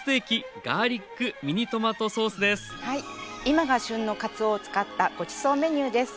今が旬のかつおを使ったごちそうメニューです。